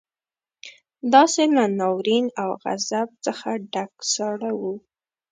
داسې له ناورين او غضب څخه ډک ساړه وو.